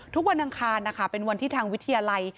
ทุกวันทางคาเป็นวันที่ทางวิทยาลัย